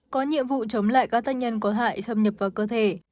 có nhiệm vụ chống lại các tác nhân có hại xâm nhập vào cơ thể